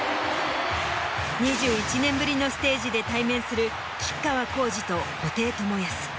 ２１年ぶりのステージで対面する吉川晃司と布袋寅泰。